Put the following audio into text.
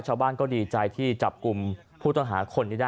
ชาวบ้านก็ดีใจที่จับกุมผู้ตำรวจคนได้ได้